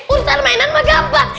urusan mainan mah gampang